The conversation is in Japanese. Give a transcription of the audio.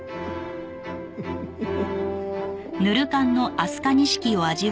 フフフフ。